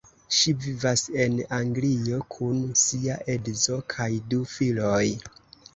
Ŝi vivas en Anglio kun sia edzo kaj du filoj.